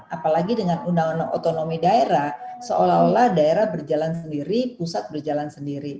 apalagi dengan undang undang otonomi daerah seolah olah daerah berjalan sendiri pusat berjalan sendiri